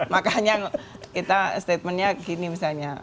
makanya kita statementnya gini misalnya